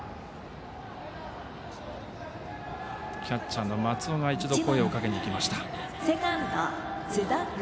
キャッチャーの松尾が一度、声をかけにいきました。